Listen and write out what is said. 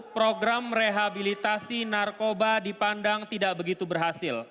program rehabilitasi narkoba dipandang tidak begitu berhasil